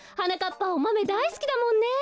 ぱおまめだいすきだもんね！